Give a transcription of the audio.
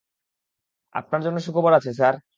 আপনার জন্য সুখবর আছে, স্যার।